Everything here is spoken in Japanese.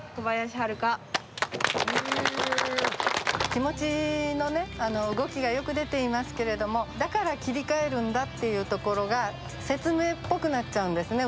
気持ちの動きがよく出ていますけれどもだから切り替えるんだっていうところが説明っぽくなっちゃうんですね